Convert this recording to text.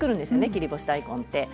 切り干し大根は。